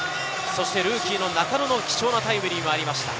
ルーキーの中野の貴重なタイムリーもありました。